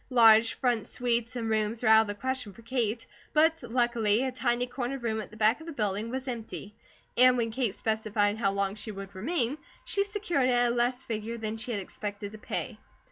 Large front suites and rooms were out of the question for Kate, but luckily a tiny corner room at the back of the building was empty and when Kate specified how long she would remain, she secured it at a less figure than she had expected to pay.